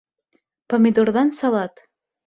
Помидорҙан салат